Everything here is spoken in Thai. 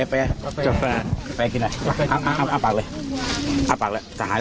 เอาปากเลย